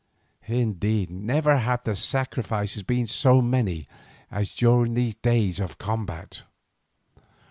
Indeed never had the sacrifices been so many as during these days of combat.